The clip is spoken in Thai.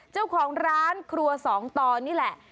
เจ้าของร้านครัวสองตอนนี่แหละ